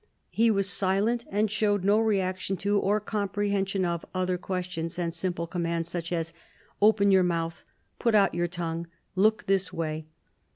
He was silent and showed no reaction to, or comprehension of, other questions, and simple commands, such as "Open your mouth," "Put out your tongue," "Look this way."